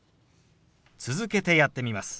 続けてやってみます。